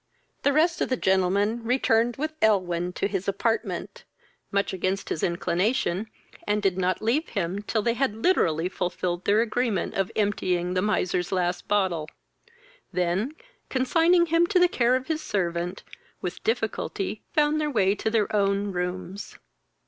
The rest of the gentlemen returned with Elwyn to his apartment, much against his inclination, and did not leave him till they had literally fulfilled their agreement of emptying the miser's last bottle; then, consigning him to the care of his servant, with difficulty found their way to their own rooms.